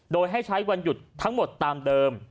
โดยให้ใช้วันหยุดทั้งหมดตามเดิม